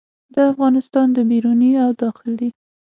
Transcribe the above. د افغانستان د بیروني او داخلي